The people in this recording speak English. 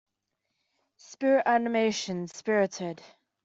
Spirit animation Spirited.